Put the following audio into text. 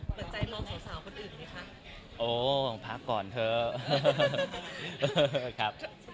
เหมือนใจลองสาวคนอื่นไหมคะ